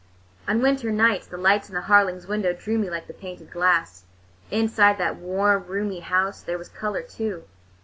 On winter nights, the lights in the Harlings' windows drew me like the painted glass. Inside that warm, roomy house there was color, too.